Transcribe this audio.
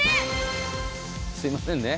すいませんね。